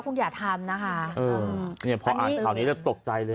คุณอย่าทำนะคะเออเนี่ยพออ่านข่าวนี้แล้วตกใจเลย